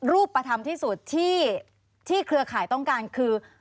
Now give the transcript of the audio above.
รูปธรรมที่สุดที่เครือข่ายต้องการคือ